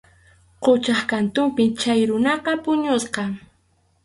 Quchap kantunpi chay runaqa puñusqa.